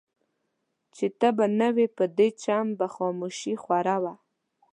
چي ته به نه وې په دې چم به خاموشي خوره وه